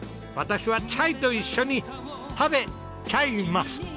私はチャイと一緒に食べチャイます。